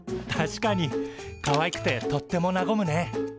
かわいくてとってもなごむね。